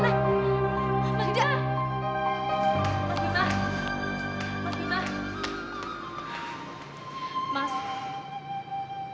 maafin sikap dan kata kata mama sama papa ini